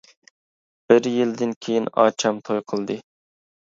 بىر يىلدىن كىيىن ئاچام توي قىلدى.